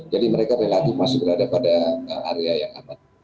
jadi mereka relatif masih berada pada area yang aman